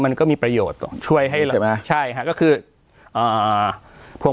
มันก็มีประโยชน์ต่อช่วยให้เลยใช่ไหมใช่ฮะก็คืออ่าพวก